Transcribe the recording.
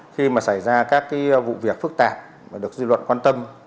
khi xảy ra các vụ việc phức tạp được dư luận quan tâm